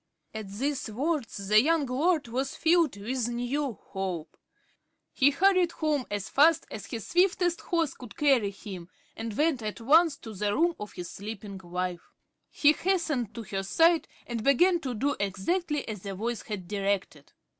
At these words the young lord was filled with new hope. He hurried home as fast as his swiftest horse could carry him, and went at once to the room of his sleeping wife. He hastened to her side, and began to do exactly as the voice had directed.